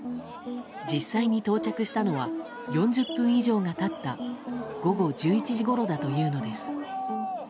実際に到着したのは４０分以上が経った午後１１時ごろだというのです。